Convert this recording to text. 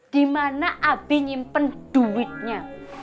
dimana abie nyimpen duitnya